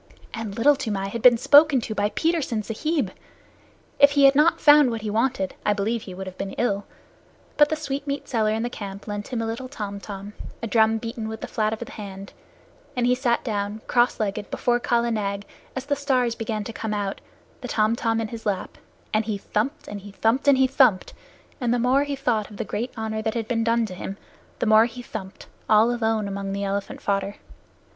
And Little Toomai had been spoken to by Petersen Sahib! If he had not found what he wanted, I believe he would have been ill. But the sweetmeat seller in the camp lent him a little tom tom a drum beaten with the flat of the hand and he sat down, cross legged, before Kala Nag as the stars began to come out, the tom tom in his lap, and he thumped and he thumped and he thumped, and the more he thought of the great honor that had been done to him, the more he thumped, all alone among the elephant fodder.